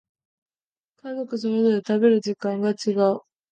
家族それぞれ食べる時間が違う